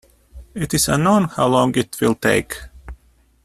It is unknown how long it will take.